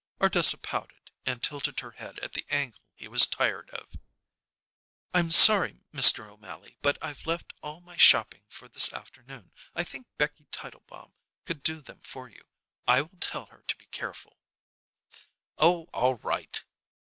Ardessa pouted, and tilted her head at the angle he was tired of. "I'm sorry, Mr. O'Mally, but I've left all my shopping for this afternoon. I think Becky Tietelbaum could do them for you. I will tell her to be careful." "Oh, all right."